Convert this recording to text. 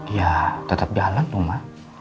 ya tetep jalan tuh ma